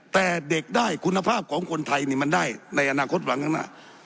แต่เด็กได้คุณภาพของคนไทยมันได้ในอนาคตหวังข้างหน้า